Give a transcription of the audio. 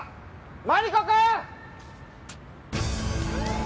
マリコ君！